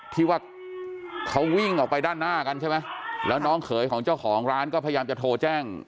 ที่ว่าเขาวิ่งออกไปด้านหน้ากันใช่ไหมแล้วน้องเขยของเจ้าของร้านก็พยายามจะโทรแจ้ง